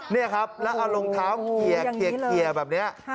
แล้วเอาลงเท้าเคียร์แบบนี้